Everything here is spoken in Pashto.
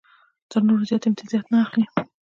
تر نورو زیات امتیازات نه اخلي.